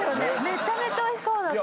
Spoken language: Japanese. めちゃめちゃおいしそうだった。